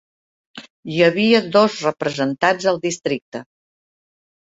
Hi havia dos representants al districte.